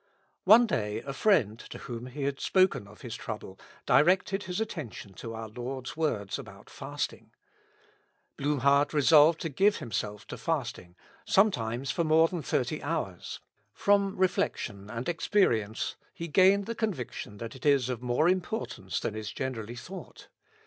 One day a friend, to whom he had spoken of his trouble, directed his attention to our Lord's words about fasting. Blumhardt resolved to give himself to fasting, sometimes for more than thirty hours. From reflection and experience he gained the conviction that it is of more importance than is generally thought.